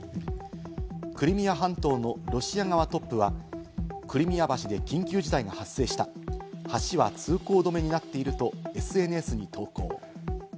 クリミア半島のロシア側トップは、クリミア橋で緊急事態が発生した橋は通行止めになっているとＳＮＳに投稿。